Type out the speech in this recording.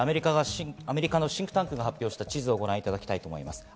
アメリカのシンクタンクが発表した地図をご覧いただきたいと思います。